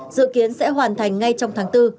dự kiến sẽ hoàn thành ngay trong tháng bốn